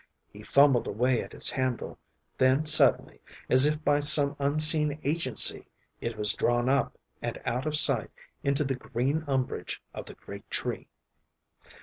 He fumbled away at its handle, then suddenly, as if by some unseen agency, it was drawn up and out of sight into the green umbrage of the great tree.